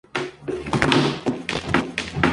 Intrigado por esto, va en su ayuda y desaparece.